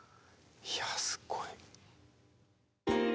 いやすごい。